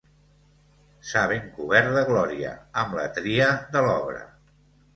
S'ha ben cobert de glòria, amb la tria de l'obra!